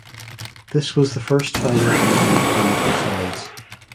This was the first finals meeting between the two sides.